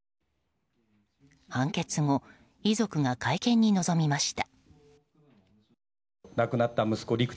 判決後、遺族が会見に臨みました。